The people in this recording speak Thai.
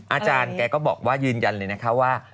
อาจารย์แกก็บอกว่ายืนยันเลยนะคะว่า